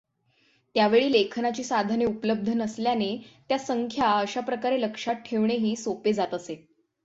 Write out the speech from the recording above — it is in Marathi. त्यावेळी लेखनाची साधने उपलब्ध नसल्याने त्या संख्या अशा प्रकारे लक्षात ठेवणेही सोपे जात असे.